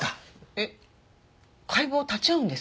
えっ解剖立ち会うんですか？